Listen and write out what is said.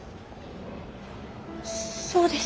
そうです